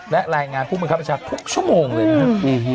และรายงานผู้บริการประชาภัณฑ์ทุกชั่วโมงเลยครับ